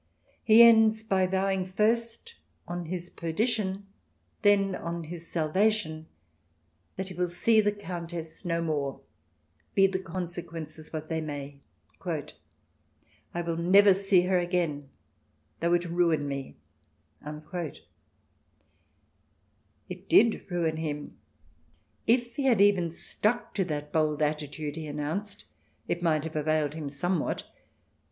He ends by vowing first on his perdition, then on his salvation, that he will see the Countess no more, be the consequences what they may. " I will never see her again, though it ruin me." It did ruin him. If he had even stuck to that bold attitude he announced, it might have availed him somewhat.